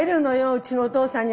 うちのお父さんに。